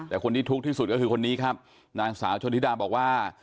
แต่คนที่ทุกข์ที่สุดก็คือคนนี้ครับนางสาวชนธิดาบอกว่า